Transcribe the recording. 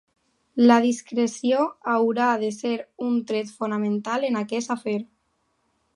La discreció haurà de ser un tret fonamental en aquest afer.